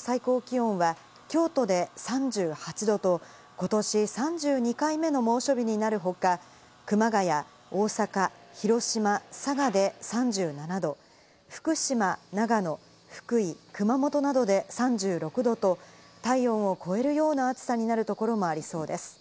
最高気温は、京都で３８度と、ことし３２回目の猛暑日になる他、熊谷、大阪、広島、佐賀で３７度、福島、長野、福井、熊本などで３６度と体温を超えるような暑さになるところもありそうです。